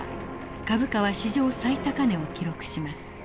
株価は史上最高値を記録します。